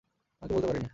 আমি তো বলতে পারি নে।